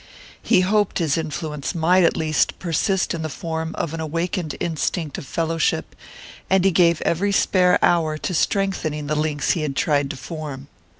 He hoped his influence might at least persist in the form of an awakened instinct of fellowship; and he gave every spare hour to strengthening the links he had tried to form.